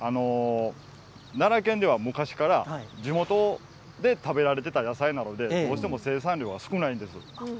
奈良県では昔から地元で食べられている野菜なのでどうしても生産量が少ないんです。